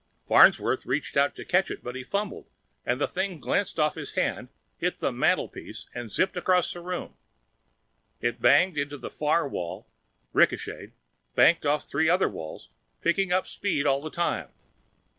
Farnsworth reached out to catch it, but he fumbled and the thing glanced off his hand, hit the mantelpiece and zipped across the room. It banged into the far wall, richocheted, banked off three other walls, picking up speed all the time.